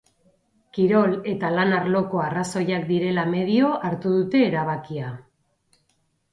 Kirol eta lan arloko arrazoiak direla medio hartu dute erabakia.